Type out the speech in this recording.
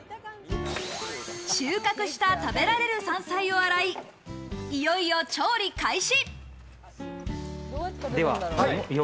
収穫した食べられる山菜を洗い、いよいよ調理開始。